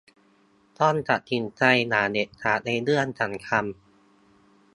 ต้องตัดสินใจอย่างเด็ดขาดในเรื่องสำคัญ